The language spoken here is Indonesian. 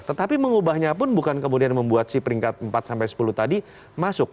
tetapi mengubahnya pun bukan kemudian membuat si peringkat empat sampai sepuluh tadi masuk